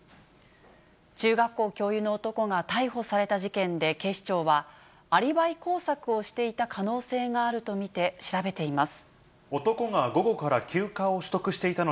中学校教諭の男が逮捕された事件で、警視庁は、アリバイ工作をしていた可能性があると見て調べています。